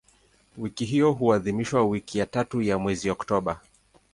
Wiki hiyo huadhimishwa wiki ya tatu ya mwezi Oktoba.